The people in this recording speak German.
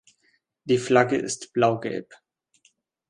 Die Flagge ist blau-gelb.